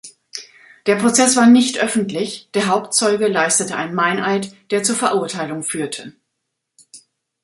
Der Prozess war nicht öffentlich, der Hauptzeuge leistete einen Meineid, der zur Verurteilung führte.